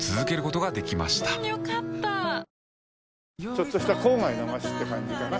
ちょっとした郊外の街って感じかな？